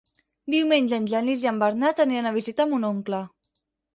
Diumenge en Genís i en Bernat aniran a visitar mon oncle.